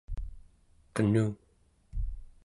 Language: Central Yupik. qenu